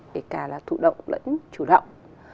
để cả là thủ động lẫn chủ động